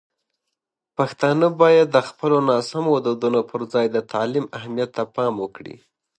پښتانه باید د خپلو ناسمو دودونو پر ځای د تعلیم اهمیت ته پام وکړي.